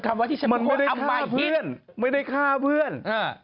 มันไม่ได้ฆ่าเพื่อน